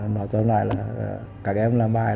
nói cho lại là các em làm bài